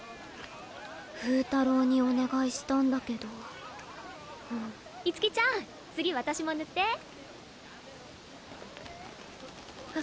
フータローにお願いしたんだけど五月ちゃん次私も塗ってあ